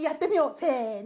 せの！